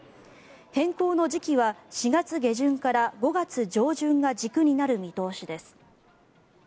変更の時期は４月下旬から５月上旬が軸になる見通しです。